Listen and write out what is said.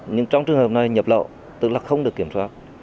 nhưng trong trường hợp này nhập lậu tức là không được kiểm soát